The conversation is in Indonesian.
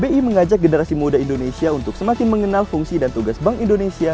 bi mengajak generasi muda indonesia untuk semakin mengenal fungsi dan tugas bank indonesia